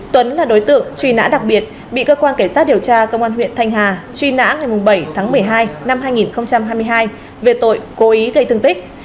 tuấn là đối tượng truy nã đặc biệt bị cơ quan cảnh sát điều tra công an huyện thanh hà truy nã ngày bảy tháng một mươi hai năm hai nghìn hai mươi hai về tội cố ý gây thương tích